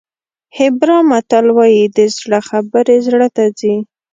هیبرا متل وایي د زړه خبرې زړه ته ځي.